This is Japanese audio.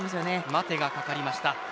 待てがかかりました。